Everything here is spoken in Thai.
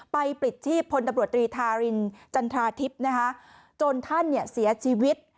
ไปปลิดที่พลตำรวจตรีธาลีนจรรย์ทราทิพย์จนท่านเนี่ยเสียชีวิต